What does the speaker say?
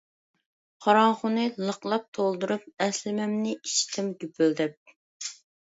قاراڭغۇنى لىقلاپ تولدۇرۇپ، ئەسلىمەمنى ئىچتىم گۈپۈلدەپ.